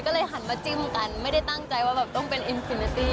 ก็เลยหันมาจิ้มกันไม่ได้ตั้งใจว่าแบบต้องเป็นอินฟิเนตี้